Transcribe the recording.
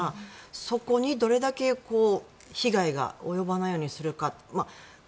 そこにどれだけ被害が及ばないようにするか。